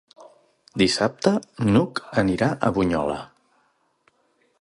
Dissabte n'Hug anirà a Bunyola.